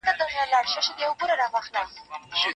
د جاهليت په زمانه کي د ښځو حال څنګه وو؟